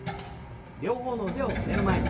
両方の腕を胸の前に。